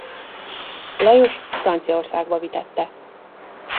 Lajos Franciaországba vitette.